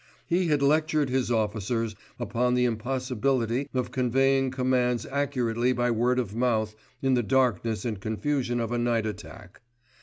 He had lectured his officers upon the impossibility of conveying commands accurately by word of mouth in the darkness and confusion of a night attack.